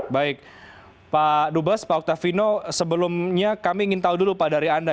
baik pak dubes pak oktavino sebelumnya kami ingin tahu dulu pak dari anda